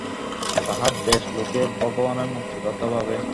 তাঁহার দেশে লোকে ভগবানের মূর্তির কথা ভাবে।